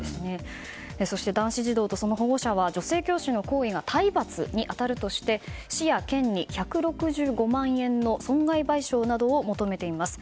そして男子児童と保護者は女性教師の行為が体罰に当たるとして市や県に１６５万円の損害賠償などを求めています。